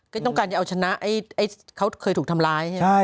ก็ต้องการจะเอาชนะเขาเคยถูกทำร้ายใช่ไหม